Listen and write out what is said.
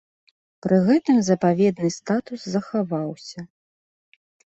Пры гэтым запаведны статус захаваўся.